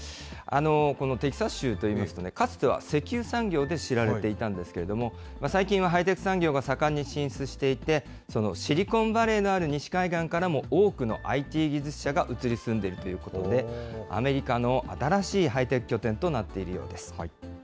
このテキサス州といいますとね、かつては石油産業で知られていたんですけれども、最近はハイテク産業が盛んに進出していて、シリコンバレーのある西海岸からも多くのＩＴ技術者が移り住んでいるということで、アメリカの新しいハイテク拠点となっているようです。